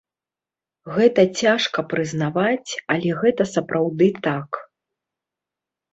Гэта цяжка прызнаваць, але гэта сапраўды так.